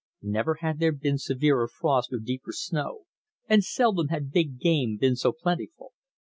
Never had there been severer frost or deeper snow, and seldom had big game been so plentiful.